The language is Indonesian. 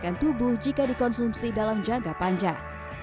bpa juga dapat menggunakan tubuh jika dikonsumsi dalam jaga panjang